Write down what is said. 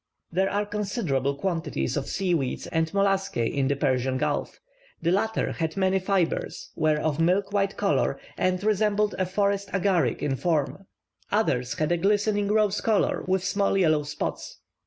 There are considerable quantities of sea weeds and molluscae in the Persian Gulf; the latter had many fibres, were of a milk white colour, and resembled a forest agaric in form; others had a glistening rose colour with small yellow spots.